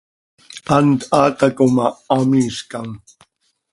Hant haa taco ma, hamiizcam.